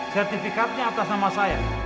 sertifikatnya atas nama saya